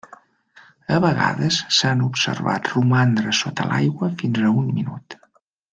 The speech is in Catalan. A vegades s'han observat romandre sota l'aigua fins a un minut.